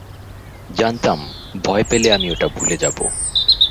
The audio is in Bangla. জানতাম ভয় পেলে আমি ওটা ভুলে যাবো।